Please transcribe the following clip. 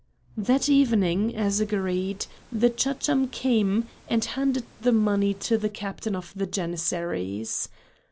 That evening, as agreed, the Chacham came and handed the money to the captain of the Janissaries.